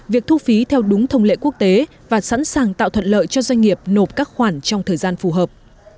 việc thu phí theo đúng thông lệ quốc tế và sẵn sàng tạo thuận lợi cho doanh nghiệp nộp các khoản trong thời gian phù hợp